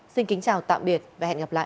xin kính chào tạm biệt và hẹn gặp lại